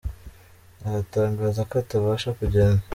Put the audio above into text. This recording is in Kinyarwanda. aratangaza ko atabasha kugenda